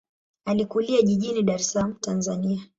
Alikulia jijini Dar es Salaam, Tanzania.